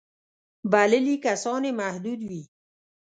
بللي کسان یې محدود وي.